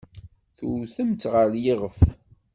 Tewtem-tt ɣer yiɣef.